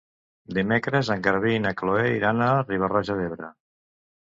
Dimecres en Garbí i na Chloé iran a Riba-roja d'Ebre.